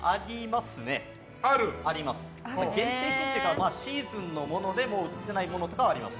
限定品っていうかシーズンのもので、もう売ってないものとかはあります。